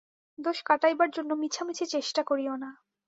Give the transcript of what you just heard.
দোষ কাটাইবার জন্য মিছামিছি চেষ্টা করিয়ো না।